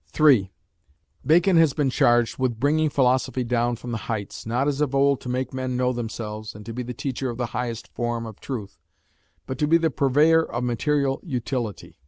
3. Bacon has been charged with bringing philosophy down from the heights, not as of old to make men know themselves, and to be the teacher of the highest form of truth, but to be the purveyor of material utility.